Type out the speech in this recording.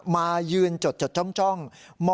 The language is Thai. ค้าเป็นผู้ชายชาวเมียนมา